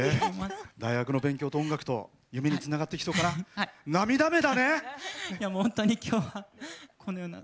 大学の勉強と音楽と夢につながっていきそうかな？